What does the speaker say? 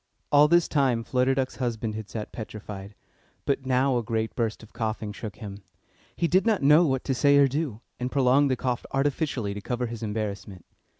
All this time Flutter Duck's husband had sat petrified, but now a great burst of coughing shook him. He did not know what to say or do, and prolonged the cough artificially to cover his embarrassment.